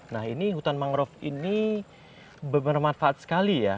nah ini hutan mangrove ini bermanfaat sekali ya